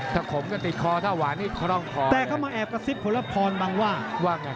ถ้าขมก็ติดคอถ้าหวานก็ต้องคอ